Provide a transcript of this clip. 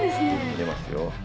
いますよ。